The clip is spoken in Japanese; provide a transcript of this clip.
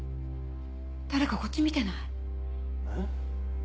誰かこっち見てない？え？